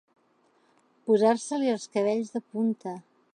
Posar-se-li els cabells de punta.